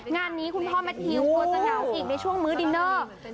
งานนี้คุณพ่อแมททิวกลัวจะเหงาอีกในช่วงมื้อดินเนอร์